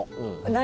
何？